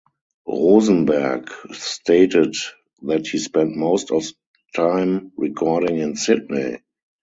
Rosenberg stated that he spent most of time recording in Sydney.